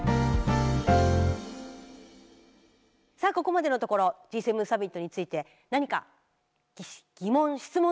さあここまでのところＧ７サミットについて何か疑問質問のある人。